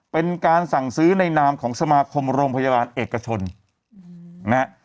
เป็นการสั่งซื้อในนามของสมาคมโรงพยาบาลเอกชนนะฮะ